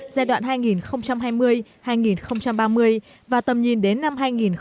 giai đoạn hai nghìn hai mươi hai nghìn ba mươi và tầm nhìn đến năm hai nghìn bốn mươi năm